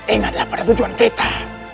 ingatlah pada tujuan kita